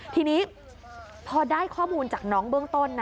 ทีนี้พอได้ข้อมูลจากน้องเบื้องต้นนะ